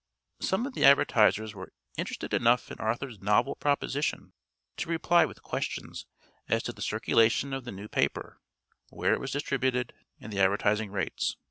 Some of the advertisers were interested enough in Arthur's novel proposition to reply with questions as to the circulation of the new paper, where it was distributed, and the advertising rates.